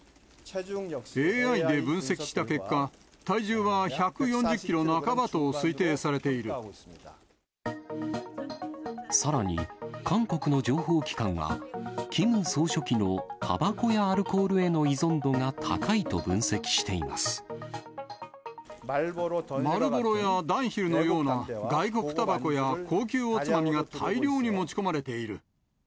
ＡＩで分析した結果、体重はさらに、韓国の情報機関は、キム総書記のたばこやアルコールへの依存度がマルボロやダンヒルのような、外国たばこや高級おつまみが大量に持ち込まれている。